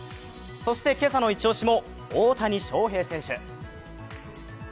そして、今朝のイチオシも大谷翔平選手。